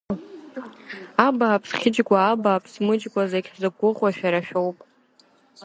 Абааԥс, Хьыџьгәа, абааԥс, Мыџьгәа, зегь ҳзықәгәыӷуа шәара шәоуп…